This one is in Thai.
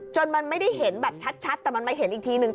มันไม่ได้เห็นแบบชัดแต่มันมาเห็นอีกทีนึง